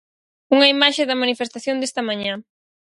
Unha imaxe da manifestación desta mañá.